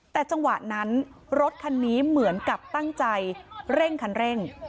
แต่จังหวะนั้นรถคันนี้เหมือนกับตั้งใจเร่งคันเร่ง